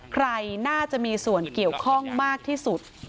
ใครน่าจะมีส่วนเกี่ยวข้องมากที่สุด